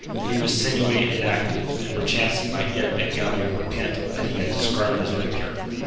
He was sinewy and active, and perchance he might yet make Galliard repent that he had discarded his rapier.